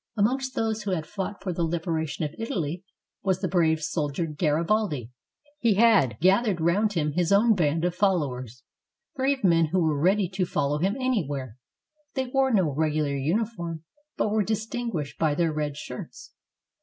Amongst those who had fought for the liberation of Italy was the brave soldier Garibaldi. He had gathered round him his own band of followers, brave men who were ready to follow him anywhere. They wore no regu lar uniform, but were distinguished by their red shirts.